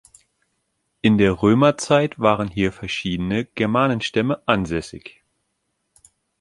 In der Römerzeit waren hier verschiedene Germanenstämme ansässig.